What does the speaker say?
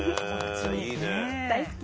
大好き。